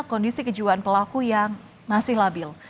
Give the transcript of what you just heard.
kondisi kejiwaan pelaku yang masih labil